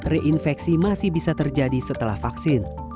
reinfeksi masih bisa terjadi setelah vaksin